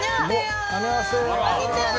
こんにちは！